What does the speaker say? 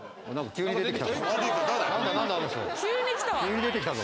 急に出てきたぞ。